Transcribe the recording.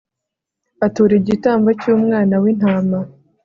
atura igitambo cy'umwana w'intama